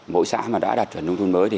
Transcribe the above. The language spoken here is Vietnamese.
mỗi xã đã đặt trần nông thôn mới